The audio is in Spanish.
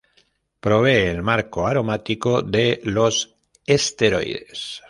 Provee el marco aromático de los esteroides.